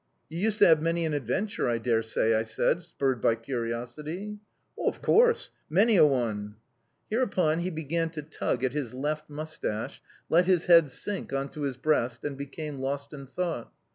"You used to have many an adventure, I dare say?" I said, spurred by curiosity. "Of course! Many a one."... Hereupon he began to tug at his left moustache, let his head sink on to his breast, and became lost in thought.